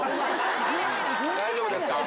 大丈夫ですか？